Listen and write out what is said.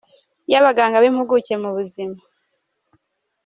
y’abaganga b’impuguke mu buzima.